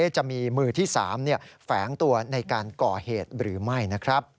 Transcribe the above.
จะมีมือที่๓แฝงตัวในการก่อเหตุหรือไม่นะครับ